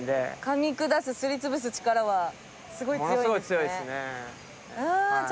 かみ砕くすり潰す力はすごい強いんですね。